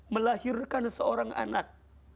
melahirkan seorang anak